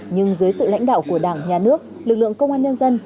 nhưng dưới sự lãnh đạo của đảng nhà nước lực lượng công an nhân dân